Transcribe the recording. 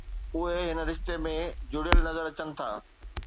اهي هن رشتي ۾ جڙيل نظر اچن ٿا